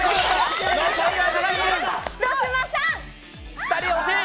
２人、惜しい。